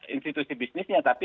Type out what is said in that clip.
institusi bisnisnya tapi